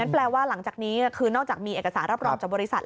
แปลว่าหลังจากนี้คือนอกจากมีเอกสารรับรองจากบริษัท